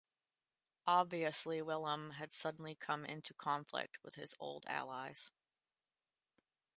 Obviously Willem had suddenly come into conflict with his old allies.